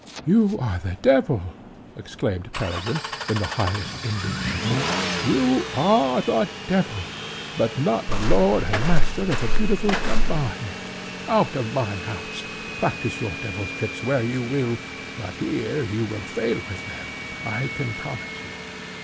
"You are the devil!" exclaimed Peregrine, in the highest indignation, "you are the devil! but not lord and master of the beautiful Gamaheh. Out of my house! Practise your devil's tricks where you will, but here you will fail with them, I can promise you."